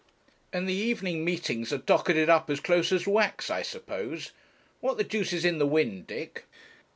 'And the evening meetings are docketed up as close as wax, I suppose. What the deuce is in the wind, Dick?'